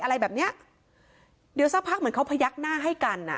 อะไรแบบเนี้ยเดี๋ยวสักพักเหมือนเขาพยักหน้าให้กันอ่ะ